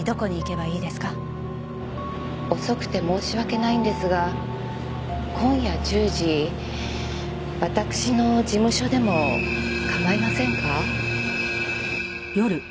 遅くて申し訳ないんですが今夜１０時私の事務所でも構いませんか？